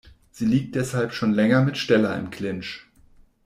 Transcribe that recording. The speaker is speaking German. Sie liegt deshalb schon länger mit Stella im Clinch.